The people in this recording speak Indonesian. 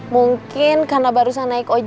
mungkin karena baru saya naik obat kepanasan